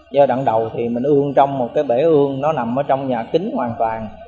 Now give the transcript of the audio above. giai đoạn đầu thì mình ương trong một cái bể ương nó nằm trong nhà kính hoàn toàn